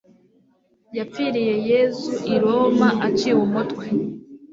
yapfiriye yezu i roma aciwe umutwe